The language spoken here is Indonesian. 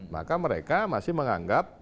maka mereka masih menganggap